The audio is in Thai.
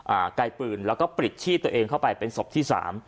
ไกลปืนแล้วก็ปลิดชีพตัวเองเข้าไปเป็นศพที่สาม